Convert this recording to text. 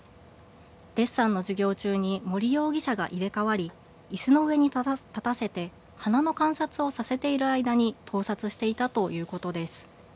デッサンの授業中に森容疑者が入れ代わりいすの上に立たせて花の観察をさせている間に盗撮していたということです。